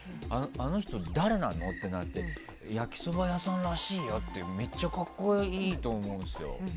あの人、誰なの？ってなって焼きそば屋さんらしいよってめっちゃ格好いいと思うんですよ。